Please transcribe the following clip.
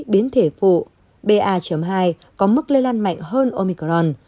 biến thể phụ ba hai có mức lây lan mạnh hơn omicron